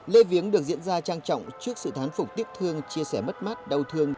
lễ viếng được diễn ra trang trọng trước sự thán phục tiếp thương chia sẻ mất mát đau thương